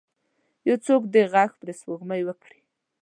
یو څوک دې ږغ پر سپوږمۍ وکړئ